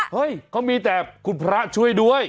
เฮ้ยเขามีแต่คุณพระช่วยด้วย